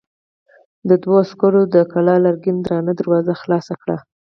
دوو عسکرو د کلا لرګينه درنه دروازه خلاصه کړه.